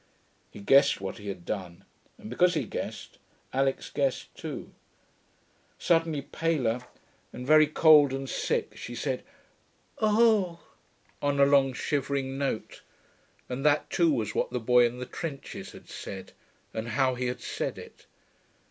He guessed what he had done, and, because he guessed, Alix guessed too. Suddenly paler, and very cold and sick, she said, 'Oh ...' on a long shivering note; and that too was what the boy in the trenches had said, and how he had said it.